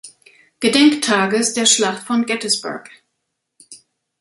Gedenktages der Schlacht von Gettysburg.